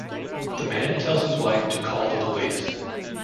The man tells his wife to call the police.